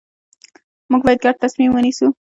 موږ باید ګډ تصمیم ونیسو